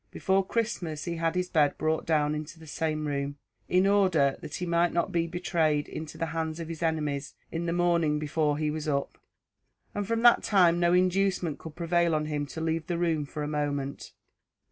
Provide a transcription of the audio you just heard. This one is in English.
Before Christmas he had his bed brought down into the same room, in order that he might not be betrayed into the hands of his enemies in the morning before he was up, and from that time no inducement could prevail on him to leave the room for a moment.